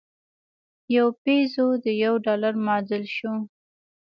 یو پیزو د یوه ډالر معادل شو.